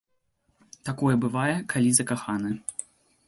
Такое бывае, калі закаханы.